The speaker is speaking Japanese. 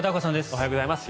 おはようございます。